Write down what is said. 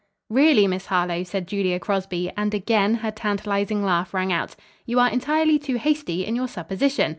"Really, Miss Harlowe," said Julia Crosby, and again her tantalizing laugh rang out, "you are entirely too hasty in your supposition.